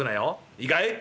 いいかい？